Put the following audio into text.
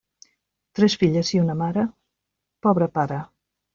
Tres filles i una mare, pobre pare.